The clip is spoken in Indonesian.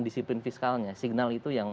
disiplin fiskalnya signal itu yang